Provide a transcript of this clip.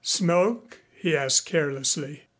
"Smoke?" he asked carelessly.